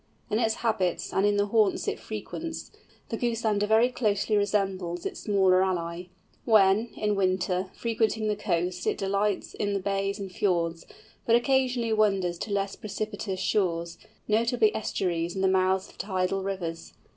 In its habits and in the haunts it frequents, the Goosander very closely resembles its smaller ally. When, in winter, frequenting the coast it delights in the bays and fjords, but occasionally wanders to less precipitous shores, notably estuaries and the mouths of tidal rivers.